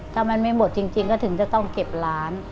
ถ้ามันไม่หมดจริงก็ถึงจะต้องเก็บร้าน